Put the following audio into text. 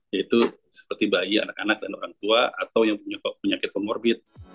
yaitu seperti bayi anak anak dan orang tua atau yang punya penyakit komorbit